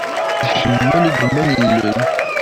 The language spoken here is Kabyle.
Nḥemmel igumma n yilel.